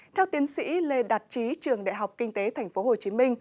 theo tiến sĩ lê đạt trí trường đại học kinh tế tp hcm